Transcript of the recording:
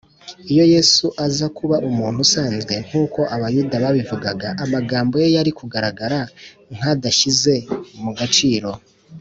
iyo yesu aza kuba umuntu usanzwe, nk’uko abayuda babivugaga, amagambo ye yari kugaragara nk’adashyize mu gaciro